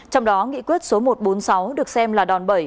trong đó nghị quyết số một trăm bốn mươi sáu được xem là đòn bẩy